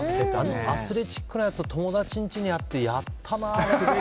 アスレチックのやつは友達の家にあって、やったな。